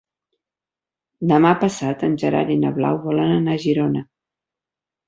Demà passat en Gerard i na Blau volen anar a Girona.